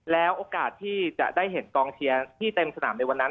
แล้วโอกาสที่จะได้เห็นกองเชียร์ที่เต็มสนามในวันนั้น